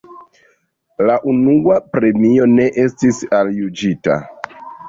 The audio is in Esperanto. La unua premio ne estis aljuĝita.